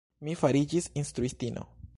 Mi fariĝis instruistino.